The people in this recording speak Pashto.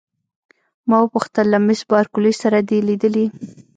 ما وپوښتل: له مس بارکلي سره دي لیدلي؟